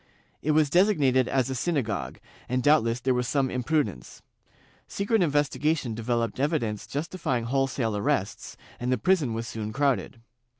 It was designated as a syna gogue, and doubtless there was some imprudence. Secret inves tigation developed evidence justifjdng wholesale arrests, and the prison was soon crowded.